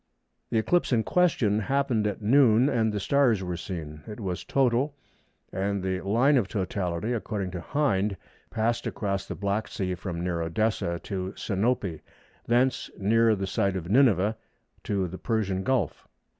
The eclipse in question happened at noon, and the stars were seen. It was total, and the line of totality, according to Hind, passed across the Black Sea from near Odessa to Sinope, thence near the site of Nineveh to the Persian Gulf.